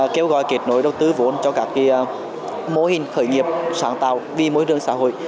kêu gọi kết nối đầu tư vốn cho các mô hình khởi nghiệp sáng tạo vì mô hình đường xã hội